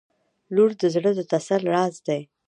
• لور د زړه د تسل راز دی.